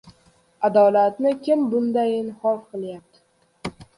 Adolatni kim bundayin xor qilayapti?